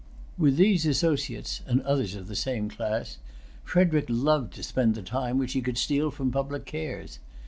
With these associates, and others of the same class, Frederic loved to spend the time which he could steal from public cares.